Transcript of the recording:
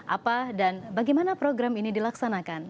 apa dan bagaimana program ini dilaksanakan